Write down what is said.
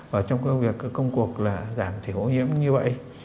vào trong công việc công cuộc là giảm thiểu ô nhiễm như vậy